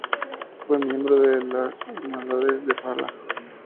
Fue miembro de las Irmandades da Fala.